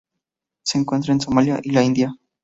Se encuentra en Somalia y la India.